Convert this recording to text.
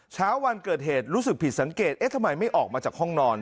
เช้าวันเกิดเหตุรู้สึกผิดสังเกตเอ๊ะทำไมไม่ออกมาจากห้องนอน